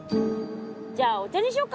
じゃあお茶にしよっか？